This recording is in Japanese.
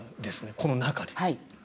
この中で。